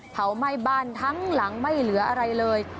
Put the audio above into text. เผาไหม้บ้านทั้งหลังไม่เหลืออะไรเลย